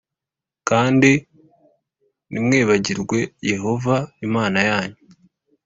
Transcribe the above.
Kandi nimwibagirwa Yehova Imana yanyu,